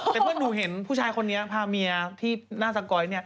แต่เพื่อนหนูเห็นผู้ชายคนนี้พาเมียที่หน้าสก๊อยเนี่ย